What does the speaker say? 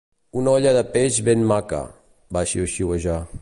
"Una olla de peix ben maca", va xiuxiuejar.